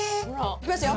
いきますよ。